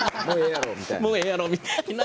もうええやろうみたいな。